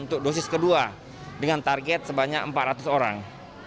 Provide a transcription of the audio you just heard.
untuk dosis kedua dengan target sebanyak empat ratus orang